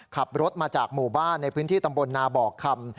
ขับรถมาจากหมู่บ้านในพื้นที่ตำบลนาบอกคำ